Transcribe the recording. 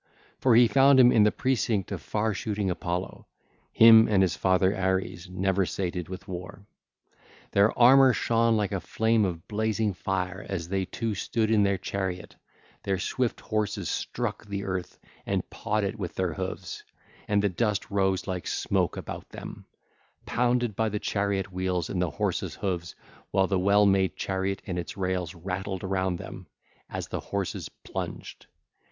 For he found him in the close of far shooting Apollo, him and his father Ares, never sated with war. Their armour shone like a flame of blazing fire as they two stood in their car: their swift horses struck the earth and pawed it with their hoofs, and the dust rose like smoke about them, pounded by the chariot wheels and the horses' hoofs, while the well made chariot and its rails rattled around them as the horses plunged.